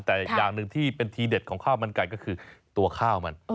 แต่อย่างหนึ่งที่เป็นทีเด็ดของข้าวมันไก่ก็คือตัวข้าวมัน